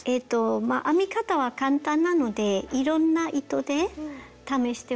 編み方は簡単なのでいろんな糸で試してほしいです。